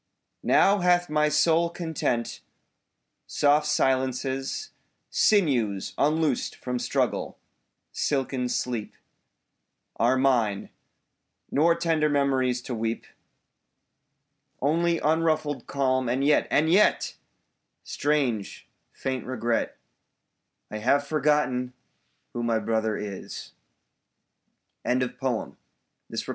Now hath my soul content. Soft silences, Sinews unloosed from struggle, silken sleep, 27 Are mine; nor tender memories to weep. Only unruffled calm; and yet — and yet — Strange, faint regret — I have forgotten who my brother is! — Helen Coale Crew.